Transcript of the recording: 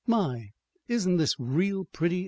"My, isn't this real pretty!"